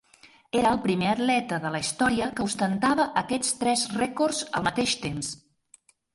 Era el primer atleta de la història que ostentava aquests tres rècords al mateix temps.